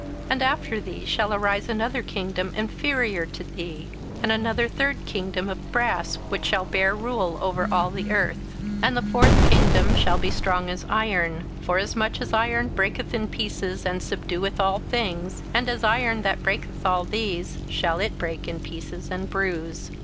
27:002:039 And after thee shall arise another kingdom inferior to thee, and another third kingdom of brass, which shall bear rule over all the earth. 27:002:040 And the fourth kingdom shall be strong as iron: forasmuch as iron breaketh in pieces and subdueth all things: and as iron that breaketh all these, shall it break in pieces and bruise.